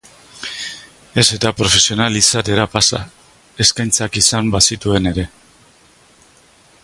Ez eta profesional izatera pasa, eskaintzak izan bazituen ere.